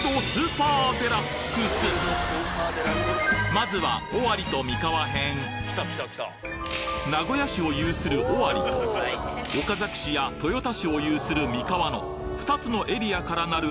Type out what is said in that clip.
まずは名古屋市を有する尾張と岡崎市や豊田市を有する三河の２つのエリアからなる